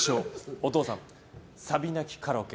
お父さんサビ泣きカラオケ。